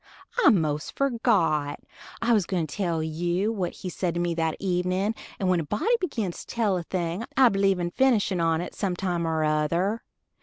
I most forgot, I was gwine to tell you what he said to me that evenin', and when a body begins to tell a thing I believe in finishin' on't some time or other.